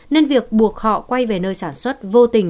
nên việc buộc họ quay về nơi sản xuất vô tình